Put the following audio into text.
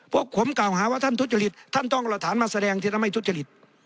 พวกผมกล่าวหาว่าท่านทุจริตท่านต้องเอาหลักฐานมาแสดงที่ทำให้ทุจริต